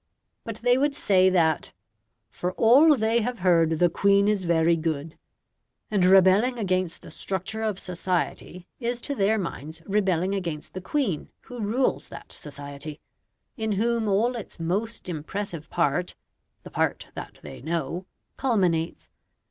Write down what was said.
But they would say that, "for all they have heard, the Queen is very good"; and rebelling against the structure of society is to their minds rebelling against the Queen, who rules that society, in whom all its most impressive part the part that they know culminates.